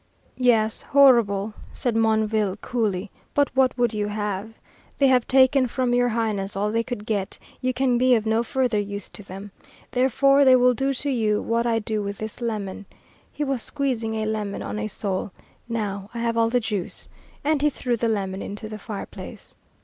"Yes, horrible," said Monville, coolly, "but what would you have? They have taken from your Highness all they could get, you can be of no further use to them. Therefore, they will do to you, what I do with this lemon" (he was squeezing a lemon on a sole); "now I have all the juice." And he threw the lemon into the fireplace.